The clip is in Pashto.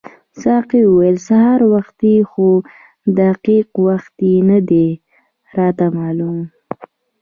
ساقي وویل سهار وختي خو دقیق وخت یې نه دی راته معلوم.